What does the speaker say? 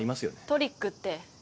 トリックって。